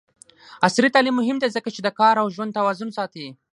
عصري تعلیم مهم دی ځکه چې د کار او ژوند توازن ساتي.